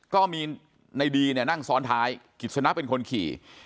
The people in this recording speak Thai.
ก็มีในดีเนี่ยนั่งซ้อนท้ายกิจสนะเป็นคนขี่